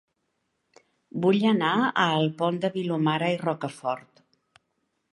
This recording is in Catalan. Vull anar a El Pont de Vilomara i Rocafort